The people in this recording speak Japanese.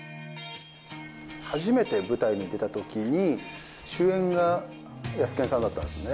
初めて舞台に出た時に主演がヤスケンさんだったんですね。